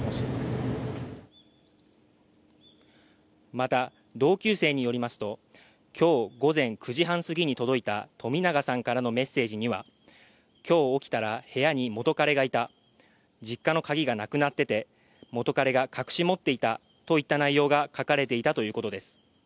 また、同級生によりますと今日、午前９時半すぎに届いた冨永さんからのメッセージには今日起きたら部屋に元カレがいた実家の鍵がなくなっていて、元カレが隠し持っていたといった内容が書かれていたということです。